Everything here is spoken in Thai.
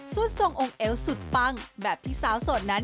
ทรงองค์เอวสุดปังแบบที่สาวโสดนั้น